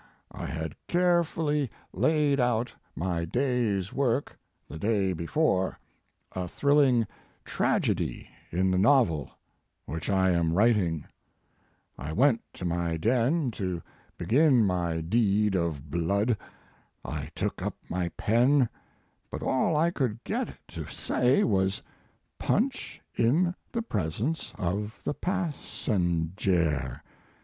I had carefully laid out my day s work the day before a thrilling tragedy in the novel which I am writing. I went to my den to begin my deed of blood. I took up my pen, but all I coulcl get it to say was, "Punch in the presence of the passenjare."